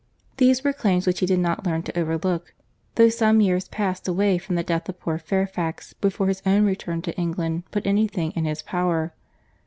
These were claims which he did not learn to overlook, though some years passed away from the death of poor Fairfax, before his own return to England put any thing in his power.